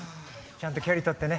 ちゃんと距離とってね。